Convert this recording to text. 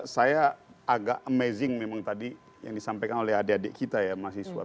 saya agak amazing memang tadi yang disampaikan oleh adik adik kita ya mahasiswa